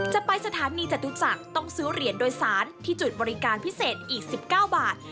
จะไปสถานีจตุจักรต้องซื้อเหรียญโดยสารที่จุดบริการพิเศษอีก๑๙บาท